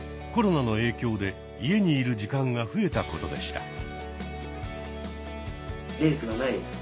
コロナの影響で家にいる時間が増えたことでした。